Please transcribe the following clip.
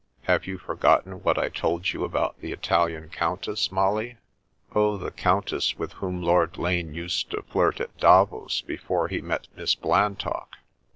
''Have you forgotten what I told you about the Italian Countess, Molly ?"" Oh, the Countess with whom Lord Lane used to flirt at DavoS before he met Miss Blantock